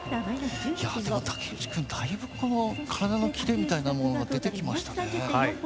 でも、竹内君だいぶ体のキレみたいなものが出てきましたね。